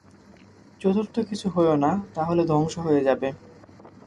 চতুর্থ কিছু হয়ো না, তা হলে ধ্বংস হয়ে যাবে।